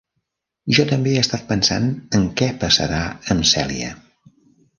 Jo també he estat pensant en què passarà amb Cèlia.